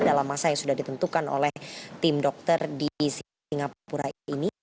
dalam masa yang sudah ditentukan oleh tim dokter di singapura ini